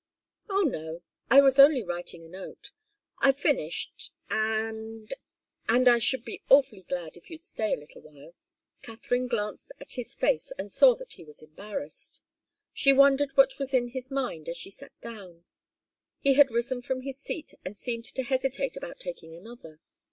"Oh, no I was only writing a note. I've finished and and I should be awfully glad if you'd stay a little while." Katharine glanced at his face and saw that he was embarrassed. She wondered what was in his mind as she sat down. He had risen from his seat and seemed to hesitate about taking another.